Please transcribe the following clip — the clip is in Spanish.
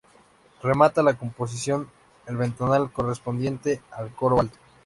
Remata la composición el ventanal correspondiente al Coro Alto.